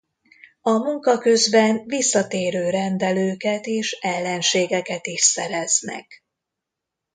A munka közben visszatérő rendelőket és ellenségeket is szereznek.